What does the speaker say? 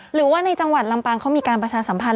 หรือว่าในจังหวัดลำปางเขามีการประชาสัมพันธ